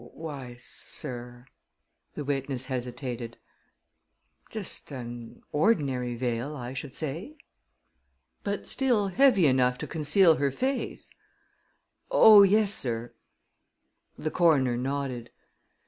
"Why, sir," the witness hesitated, "just an ordinary veil, I should say." "But still heavy enough to conceal her face?" "Oh, yes, sir." The coroner nodded.